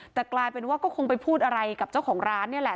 แต่กลายเป็นว่าก็คงไปพูดอะไรกับเจ้าของร้านนี่แหละ